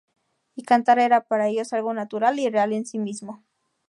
Y cantar era para ellos algo natural y real en sí mismo.